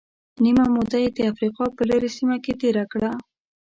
نیمه موده یې د افریقا په لرې سیمه کې تېره کړه.